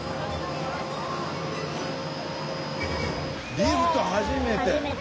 リフト初めて？